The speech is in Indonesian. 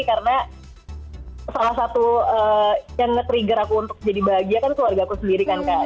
karena salah satu yang nge trigger aku untuk jadi bahagia kan keluarga aku sendiri kan kak